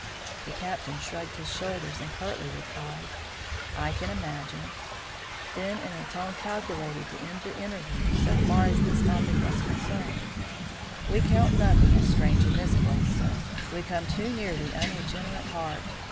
The Captain shrugged his shoulders and curtly replied: "I can imagine." Then in a tone calculated to end the interview so far as this topic was concerned: "We count nothing as strange in this place, sir. We come too near the unregenerate heart.